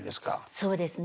そうですね。